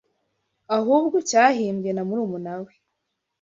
ahubwo cyahimbwe na murumuna we